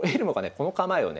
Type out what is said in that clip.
この構えをね